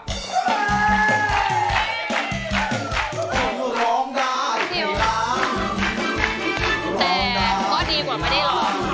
แต่ก็ดีกว่าไม่ได้หรอกคุณดาว